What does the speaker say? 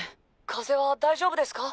風邪は大丈夫ですか？